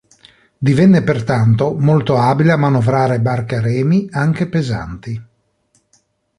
Divenne pertanto molto abile a manovrare barche a remi anche pesanti.